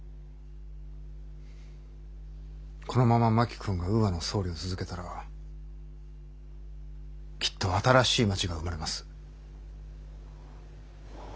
このまま真木君がウーアの総理を続けたらきっと新しい街が生まれます。